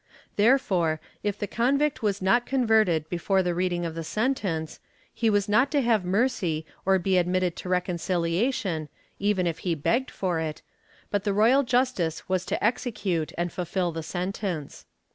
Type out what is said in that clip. Therefore, if the convict was not converted before the reading of the sentence, he was not to have mercy or to be admitted to reconciliation, even if he begged for it, but the royal justice was to execute and fulfil the sentence.